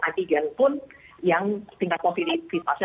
antigen pun yang tingkat positifnya